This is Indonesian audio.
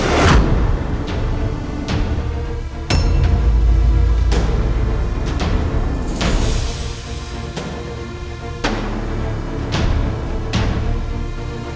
tak ada apa apa